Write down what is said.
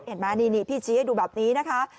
เห็นไหมนี่พี่ชี้ให้ดูแบบนี้นะคะ